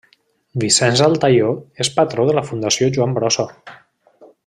Vicenç Altaió és patró de la Fundació Joan Brossa.